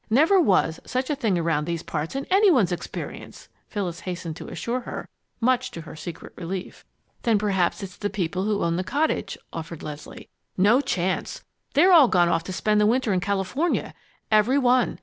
"Never was such a thing around these parts, in any one's experience!" Phyllis hastened to assure her, much to her secret relief. "Then perhaps it's the people who own the cottage," offered Leslie. "No chance. They've all gone off to spend the winter in California every one.